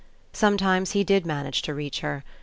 Some times he did manage to reach her.